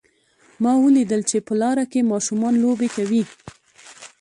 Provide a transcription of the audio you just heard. ما ولیدل چې په لاره کې ماشومان لوبې کوي